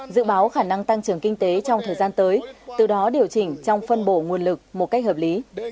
dự báo khả năng tăng trưởng kinh tế trong thời gian tới từ đó điều chỉnh trong phân bổ nguồn lực một cách hợp lý